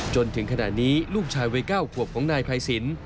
จนถึงขณะนี้ลูกชายวัย๙ขวบของนายภัยสิน